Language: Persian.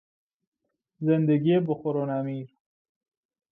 زندگی بخور و نمیر